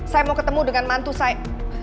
saya mau ketemu dengan mantu saya